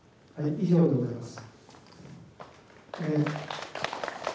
以上でございます。